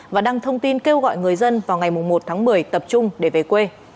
và đăng thông tin kêu gọi người dân vào ngày một tháng một mươi tập trung để về quê